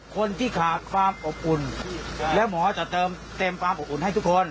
คนที่ขาดความอบอุ่นแล้วหมอจะเติมเต็มความอบอุ่นให้ทุกคน